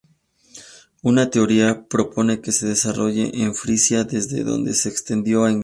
Una teoría propone que se desarrolló en Frisia desde donde se extendió a Inglaterra.